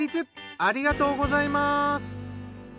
ありがとうございます。